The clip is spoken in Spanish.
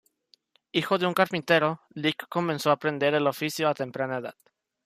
Hijo de un carpintero, Lick comenzó a aprender el oficio a temprana edad.